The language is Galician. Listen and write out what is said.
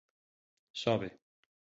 Sobe.